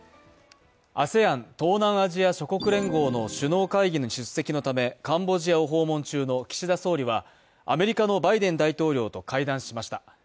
ＡＳＥＡＮ＝東南アジア諸国連合の首脳会議に出席のため、カンボジアを訪問中の岸田総理はアメリカのバイデン大統領と会談しました。